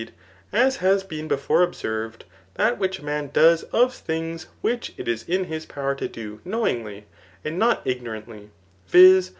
179 as has been before observed, that uhich a man does of things which it is in his power to do knowingly » and not ignorantly^ viz.